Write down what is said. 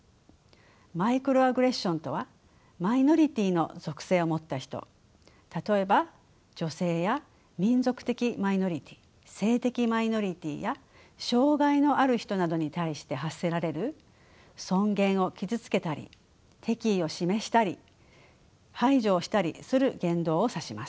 マイクロアグレッションとはマイノリティーの属性を持った人例えば女性や民族的マイノリティー性的マイノリティーや障害のある人などに対して発せられる尊厳を傷つけたり敵意を示したり排除をしたりする言動を指します。